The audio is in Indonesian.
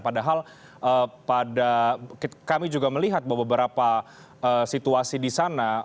padahal kami juga melihat beberapa situasi di sana